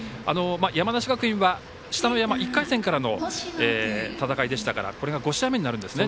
山梨学院は１回戦からの戦いでしたからこれが５試合目になるんですね。